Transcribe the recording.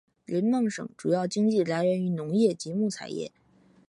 林梦省主要经济来源于农业及木材业。